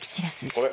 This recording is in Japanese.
これ！